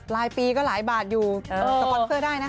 รายปีก็หลายบาทอยู่สปอนเซอร์ได้นะ